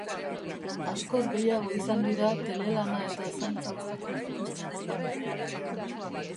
Askoz gehiago izan dira telelana eta zaintza uztartu dituzten emakumeak.